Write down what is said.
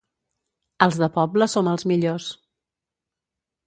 Els de poble som els millors.